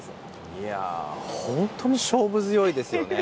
いやあ、本当に勝負強いですよね。